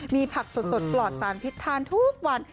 มีผักสดปลอดสารพิษทานทุกวัน